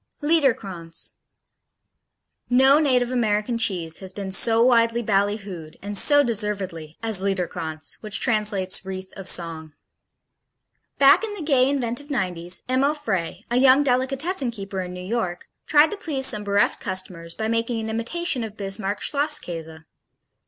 Liederkranz No native American cheese has been so widely ballyhooed, and so deservedly, as Liederkranz, which translates "Wreath of Song." Back in the gay, inventive nineties, Emil Frey, a young delicatessen keeper in New York, tried to please some bereft customers by making an imitation of Bismarck Schlosskäse.